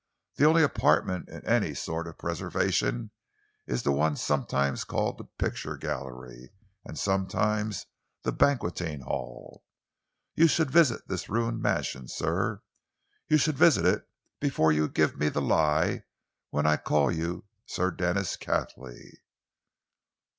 The only apartment in any sort of preservation is the one sometimes called the picture gallery and sometimes the banqueting hall. You should visit this ruined mansion, sir. You should visit it before you give me the lie when I call you Sir Denis Cathley."